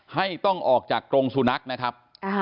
ต้องออกจากกรงสุนัขนะครับ